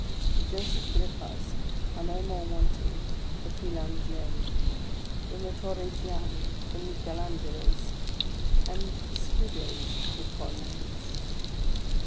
The Joseph Grippas are no more wanting to the Filangieri than the Torregiani to the Michael Angelos, and the Scuderies to the Corneilles.